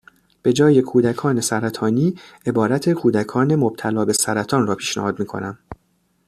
به جای کودکان سرطانی، عبارت کودکان مبتلا به سرطان را پیشنهاد میکنم